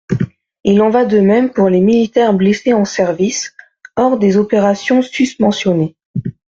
Il en va de même pour les militaires blessés en service hors des opérations susmentionnées.